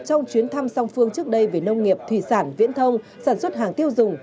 trong chuyến thăm song phương trước đây về nông nghiệp thủy sản viễn thông sản xuất hàng tiêu dùng